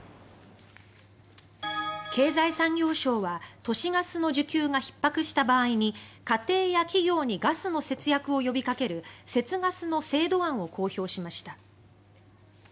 経済産業省は都市ガスの需給がひっ迫した場合に家庭や企業にガスの節約を呼びかける節ガスの制度案を公表しました。